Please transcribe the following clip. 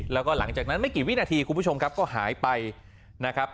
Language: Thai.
แล้วก็หลังจากนั้นไม่กี่วินาทีคุณผู้ชมครับก็หายไปนะครับ